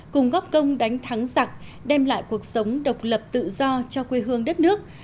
cùng góp công đánh thắng giặc đem lại cuộc sống độc lập tự do cho quê hương đất nước